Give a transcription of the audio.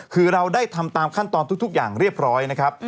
คือเราได้ทำตามขั้นตอนทุกอย่างเรียบร้อยนะครับ